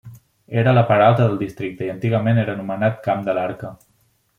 És a la part alta del districte i antigament era anomenat Camp de l'Arca.